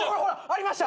ありました。